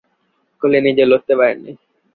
কোহলি নিজেও লড়তে পারেননি।